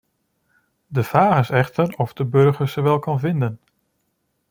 De vraag is echter of de burger ze wel kan vinden.